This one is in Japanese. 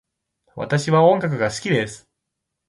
私は音楽が好きです。